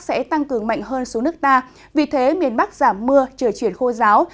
sẽ cường mạnh hơn số nước ta vì thế miền bắc giảm mưa trở chuyển khô giáo